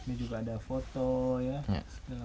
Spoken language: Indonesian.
ini juga ada foto ya